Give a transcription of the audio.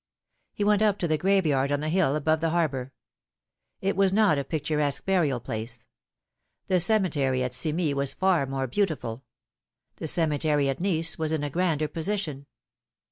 He went up to the graveyard on the hill above the harbour. It was not a picturesque burial place. The cemetery at Cimies was far more beautiful. The cemetery at Nice was in a grander position.